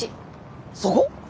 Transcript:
そこ！？